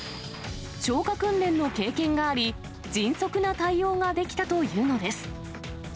消火訓練の経験があり、迅速な対応ができたというのです。